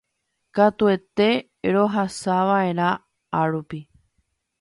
katuete rohasava'erã árupi